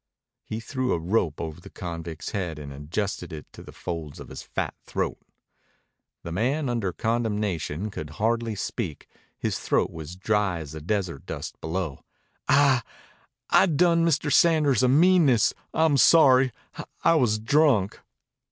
He threw a rope over the convict's head and adjusted it to the folds of his fat throat. The man under condemnation could hardly speak. His throat was dry as the desert dust below. "I I done Mr. Sanders a meanness. I'm sorry. I was drunk."